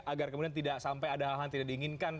agar kemudian tidak sampai ada hal hal yang tidak diinginkan